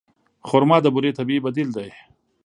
خرما د بوري طبیعي بدیل دی.